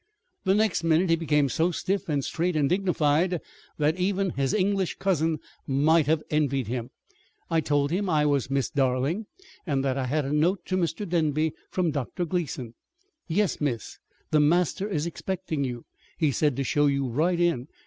"The next minute he became so stiff and straight and dignified that even his English cousin might have envied him. I told him I was Miss Darling, and that I had a note to Mr. Denby from Dr. Gleason. "'Yes, Miss. The master is expecting you. He said to show you right in.